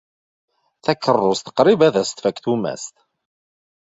Takeṛṛust qrib ad as-tfak tumast.